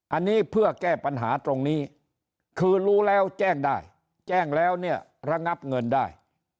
อันนี้เพื่อแก้ปัญหาตรงนี้คือรู้แล้วแจ้งได้แจ้งแล้วเนี่ยระงับเงินได้